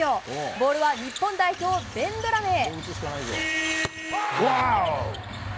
ボールは日本代表ベンドラメへ。